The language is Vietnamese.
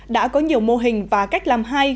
đã có nhiều mô hình và cách làm hay